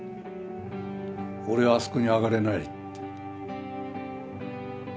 俺はあそこに上がれないって。